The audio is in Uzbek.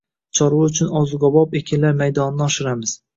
chorva uchun ozuqabop ekinlar maydonini oshiramiz.